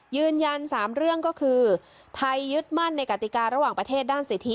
ยืนยัน๓เรื่องก็คือไทยยึดมั่นในกติการะหว่างประเทศด้านสิทธิ